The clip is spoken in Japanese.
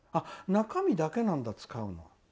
中身だけなんだ、使うの。